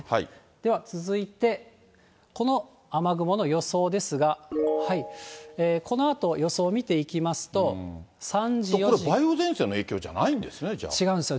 では続いて、この雨雲の予想ですが、このあと予想を見ていきますと、３時、これ、梅雨前線の影響じゃないんですね、違うんですよ。